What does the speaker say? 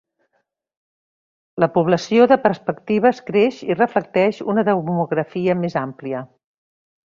La població de perspectives creix i reflecteix una demografia més àmplia.